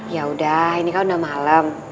yaudah ini kan udah malem